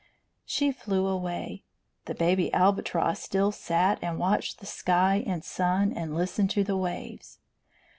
She flew away. The baby albatross still sat and watched the sky and sun, and listened to the waves.